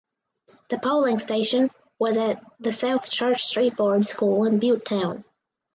The polling station was at the South Church Street Boards School in Butetown.